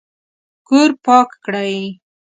کور پاک کړئ